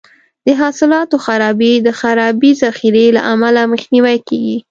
د حاصلاتو خرابي د خرابې ذخیرې له امله مخنیوی کیږي.